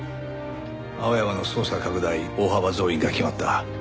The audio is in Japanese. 青山の捜査拡大大幅増員が決まった。